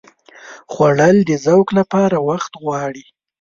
خوړل د ذوق لپاره وخت غواړي